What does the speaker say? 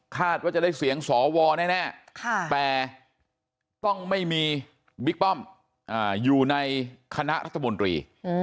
ว่าจะได้เสียงสวแน่แต่ต้องไม่มีบิ๊กป้อมอยู่ในคณะรัฐมนตรี